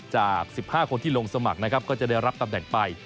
จาก๑๕คนที่ลงสมัครนะครับก็จะได้รับตำแหน่งไป